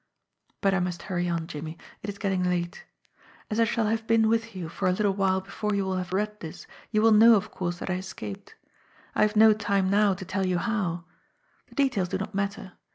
"But I must hurry on, Jimmie. It is getting late. "As I shall have been with you for a little while before you will have read this, you will know of course that I escaped. I have no time now to tell you how. The details do not matter.